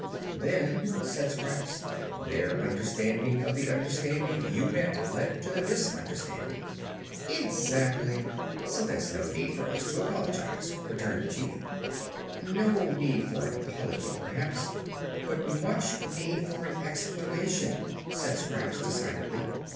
"Then," said Scraps, "their understanding of the understanding you meant led to the misunderstanding." "Exactly; and so there's no need for us to apologize," returned the Chief. "No need for an apology, perhaps, but much need for an explanation," said Scraps decidedly.